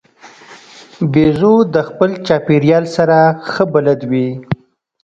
بیزو د خپل چاپېریال سره ښه بلد وي.